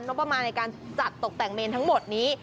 ประมาณในการจัดตกแต่งเมนทั้งหมดนี้